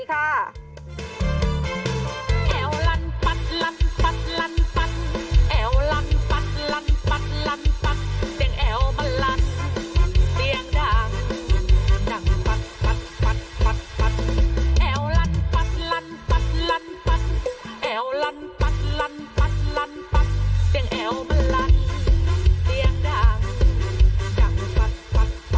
สวัสดีค่ะ